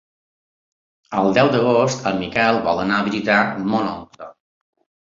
El deu d'agost en Miquel vol anar a visitar mon oncle.